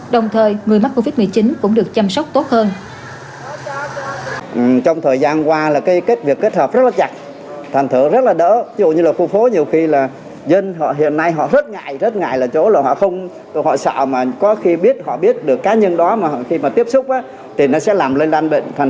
đồng thời người mắc covid một mươi chín cũng được chăm sóc tốt hơn